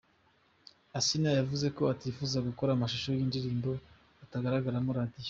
Asinah yavuze ko atifuza gukora amashusho y’indirimbo atagaragaramo Radio.